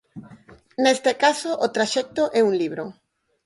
Neste caso, o traxecto é un libro.